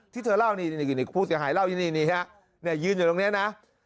ที่เธอเล่าพูดเสียหายเล่ายืนอยู่ตรงนี้นะ